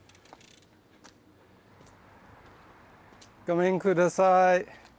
ごめんください。